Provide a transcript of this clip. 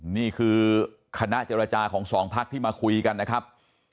นี่คือคณะเจรจาของสองพักที่มาคุยกันนะครับ